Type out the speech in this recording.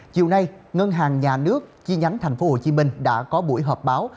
chiều nay ngân hàng nhà nước chi nhánh tp hcm đã có buổi họp báo